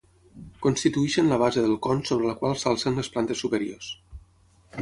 Constitueixen la base del con sobre la qual s'alcen les plantes superiors.